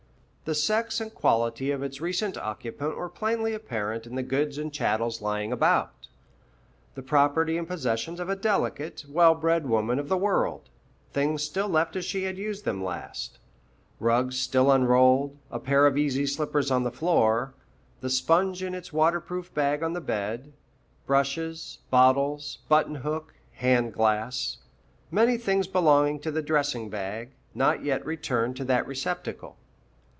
The sex and quality of its recent occupant were plainly apparent in the goods and chattels lying about, the property and possessions of a delicate, well bred woman of the world, things still left as she had used them last rugs still unrolled, a pair of easy slippers on the floor, the sponge in its waterproof bag on the bed, brushes, bottles, button hook, hand glass, many things belonging to the dressing bag, not yet returned to that receptacle.